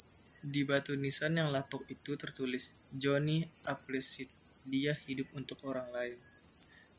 Di batu nisan yang lapuk itu tertulis, Johnny Appleseed Dia hidup untuk orang lain.